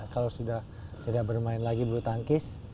kalau sudah tidak bermain lagi bulu tangkis